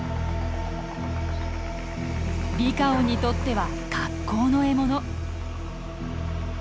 リカオンにとっては格好の獲物。